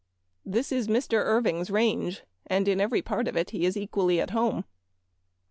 This is Mr. Irving' s range, and in every part of it he is equally at home.